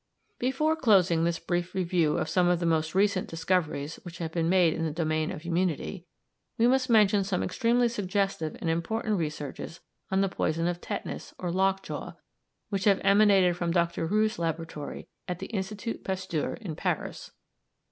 Before closing this brief review of some of the most recent discoveries which have been made in the domain of immunity, we must mention some extremely suggestive and important researches on the poison of tetanus, or lock jaw, which have emanated from Dr. Roux's laboratory at the Institut Pasteur in Paris.